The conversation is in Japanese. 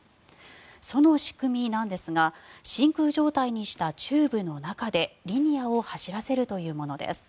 その仕組みなんですが真空状態にしたチューブの中でリニアを走らせるというものです。